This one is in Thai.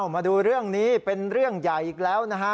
มาดูเรื่องนี้เป็นเรื่องใหญ่อีกแล้วนะฮะ